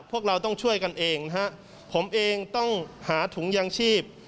พวกเราต้องช่วยกันเองนะฮะผมเองต้องหาถุงยางชีพ